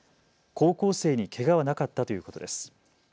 高校生にけがはなかったということです。